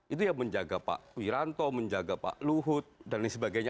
itu ya menjaga pak wiranto menjaga pak luhut dan lain sebagainya